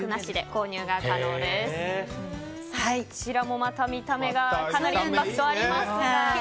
こちらもまた見た目がかなりインパクトありますが。